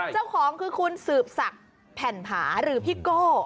เจ้าของคือคุณสืบศักดิ์แผ่นผาหรือพี่โก้